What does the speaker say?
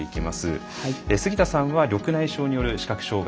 杉田さんは緑内障による視覚障害があります。